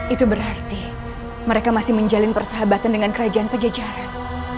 itu berarti mereka masih menjalin persahabatan dengan kerajaan pejajaran